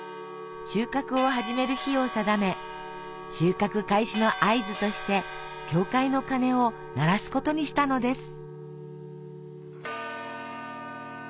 収穫を始める日を定め収穫開始の合図として教会の鐘を鳴らすことにしたのです。